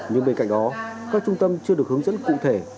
nhưng bên cạnh đó các trung tâm chưa được hướng dẫn cụ thể